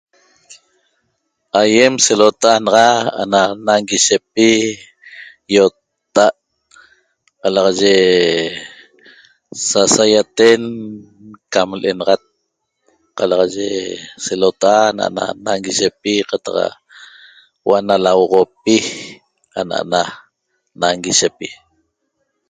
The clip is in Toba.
Aiem so lota ana nañiguisepi iot'ta a' Calaxaye sasaýaten qam lenaxat Calaxaye selota a' na nañiguise qataq na huo a' Na lahuoxopi ana na nañiguisepi